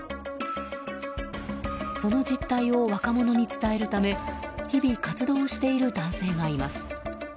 その実態を若者に伝えるため日々、活動をしている男性がいます。